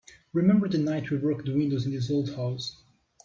Remember the night we broke the windows in this old house?